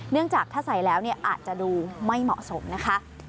เนื่องจากถ้าใส่แล้วเนี่ยอาจจะดูไม่เหมาะสมนะคะ